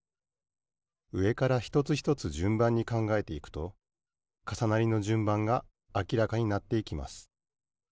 うえからひとつひとつじゅんばんにかんがえていくとかさなりのじゅんばんがあきらかになっていきます